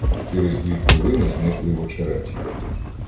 Через дві хвилини зникли в очереті.